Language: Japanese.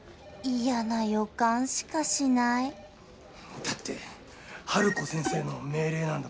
嫌な予感しかしないだってハルコ先生の命令なんだもん。